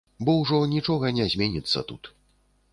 Бо ўжо нічога не зменіцца тут.